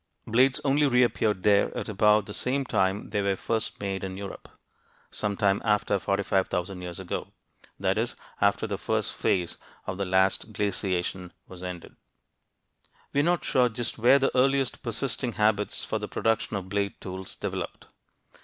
Blades only reappeared there at about the same time they were first made in Europe, some time after 45,000 years ago; that is, after the first phase of the last glaciation was ended. [Illustration: BACKED BLADE] We are not sure just where the earliest persisting habits for the production of blade tools developed.